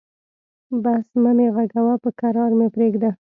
بس مه مې غږوه، به کرار مې پرېږده.